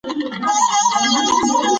زده کړه د انسان سترګې پر حقایضو پرانیزي.